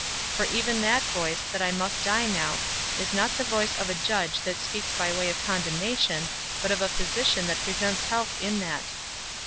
for even that voice, that I must die now, is not the voice of a judge that speaks by way of condemnation, but of a physician that presents health in that.